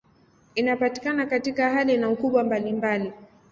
Inapatikana katika hali na ukubwa mbalimbali.